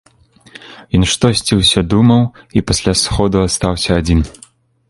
Ён штосьці ўсё думаў і пасля сходу астаўся адзін.